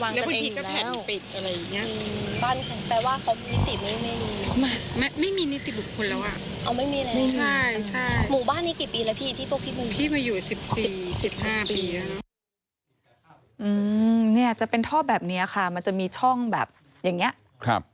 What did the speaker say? ง่ายแม่จะเป็นท่อแบบเนี่ยคามันจะมีช่องแบบอย่างนี้ครับ